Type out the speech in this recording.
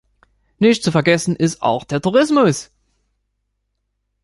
Nicht zu vergessen ist auch der Tourismus.